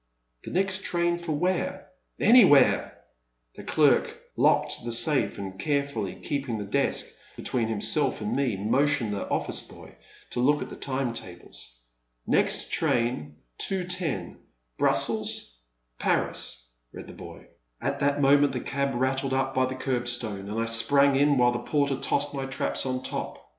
'* The next train for where ?" Anywhere !The clerk locked the safe, and carefully keep ing the desk between himself and me, motioned the office boy to look at the time tables. The Man at the Next Table. 379 Next train, 2.10. Brussels — Paris, read the boy. At that moment the cab rattled up by the curb stone, and I sprang in while the porter tossed my traps on top.